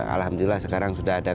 alhamdulillah sekarang sudah ada